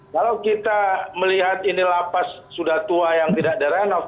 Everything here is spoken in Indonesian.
kalau kita melihat ini la paz sudah tua yang tidak di renov